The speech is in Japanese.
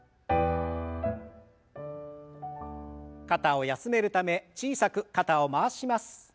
肩を休めるため小さく肩を回します。